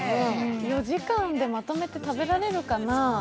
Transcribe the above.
４時間でまとめて食べられるかなぁ。